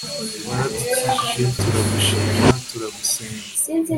waradukijije, turagushima, turagusenga